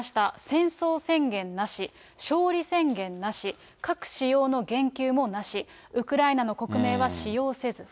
戦争宣言なし、勝利宣言なし、核使用の言及もなし、ウクライナの国名は使用せず。